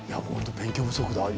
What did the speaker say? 勉強不足だ。